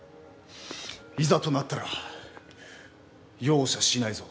いざとなったら容赦しないぞ。